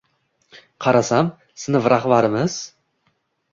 Qarasam, sinf rahbarimiz.